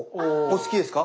大好きです。